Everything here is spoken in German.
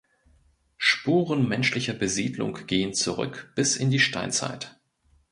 Spuren menschlicher Besiedlung gehen zurück bis in die Steinzeit.